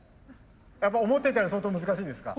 やっぱ思ってたより相当難しいですか？